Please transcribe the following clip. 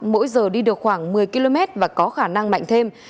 mỗi giờ đi được khoảng một mươi km và có khả năng mạnh thêm